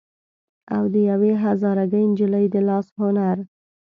او د يوې هزاره ګۍ نجلۍ د لاس هنر